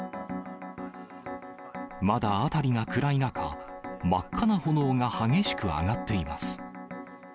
まだ辺りが暗い中、真っ赤な炎が激しく上がっています。